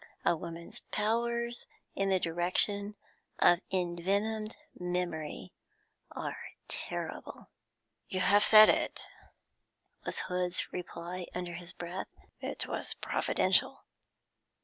A woman's powers in the direction of envenomed memory are terrible. 'You have said it,' was Hood's reply under his breath. 'It was providential.